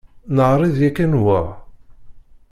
Neɛṛeḍ yakkan wa.